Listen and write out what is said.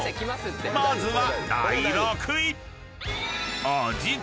［まずは］